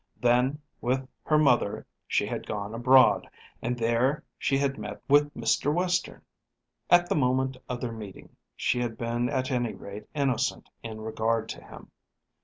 Then with her mother she had gone abroad, and there she had met with Mr. Western. At the moment of their meeting she had been at any rate innocent in regard to him.